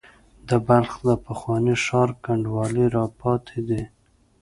د بلخ د پخواني ښار کنډوالې را پاتې دي.